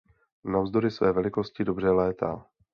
Navzdory své velikosti dobře létá.